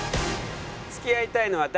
付き合いたいのは誰？